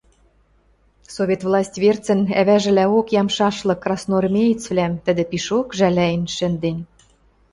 Совет власть верцӹн ӓвӓжӹлӓок ямшашлык красноармеецвлӓм тӹдӹ пишок жӓлӓен шӹнден.